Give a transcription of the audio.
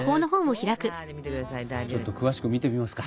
ちょっと詳しく見てみますか。